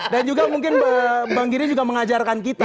dan juga mungkin bang giring juga mengajarkan kita